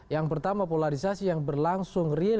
yang pertama polarisasi yang berlangsung real